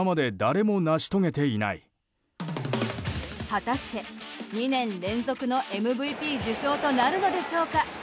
果たして、２年連続のＭＶＰ受賞となるのでしょうか。